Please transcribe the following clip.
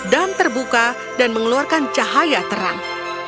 dan terbuka dan mengeluarkan cahaya terang